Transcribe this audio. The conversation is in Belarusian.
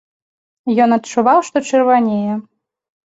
Ён адчуваў, што чырванее.